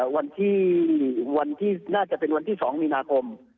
วันที่น่าจะเป็นวันที่๒มีนาคม